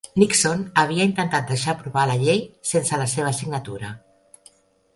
Nixon havia intentat deixar aprovar la llei sense la seva signatura.